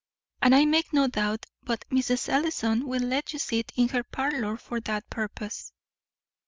And I make no doubt but Mrs. Ellison will let you sit in her parlour for that purpose."